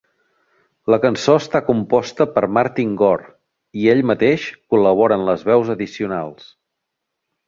La cançó està composta per Martin Gore i ell mateix col·labora en les veus addicionals.